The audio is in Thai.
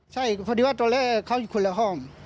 ใช่เพราะดีว่าตอนนี้เขาอยู่คนละห้อง